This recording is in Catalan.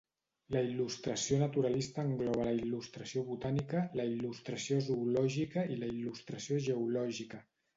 La il·lustració naturalista engloba la il·lustració botànica, la il·lustració zoològica i la il·lustració geològica.